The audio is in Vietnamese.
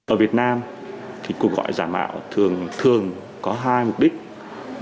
ở việt nam cuộc gọi giả mạo thường có hai mục đích